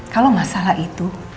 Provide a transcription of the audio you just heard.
kalau masalah itu